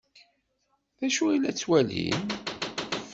D acu ay la ttwalin?